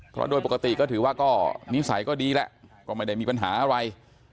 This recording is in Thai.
เพราะโดยปกติก็ถือว่าก็นิสัยก็ดีแล้วก็ไม่ได้มีปัญหาอะไร